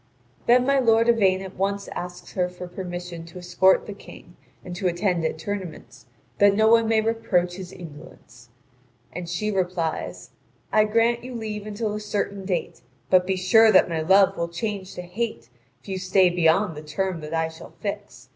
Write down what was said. Then my lord Yvain at once asks her for permission to escort the King and to attend at tournaments, that no one may reproach his indolence. And she replies: "I grant you leave until a certain date; but be sure that my love will change to hate if you stay beyond the term that I shall fix.